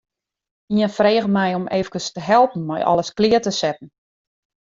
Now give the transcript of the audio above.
Ien frege my om efkes te helpen mei alles klear te setten.